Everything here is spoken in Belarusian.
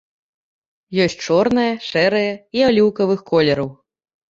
Ёсць чорныя, шэрыя і аліўкавых колераў.